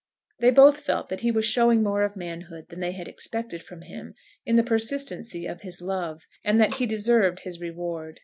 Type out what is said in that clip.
They both felt that he was showing more of manhood than they had expected from him in the persistency of his love, and that he deserved his reward.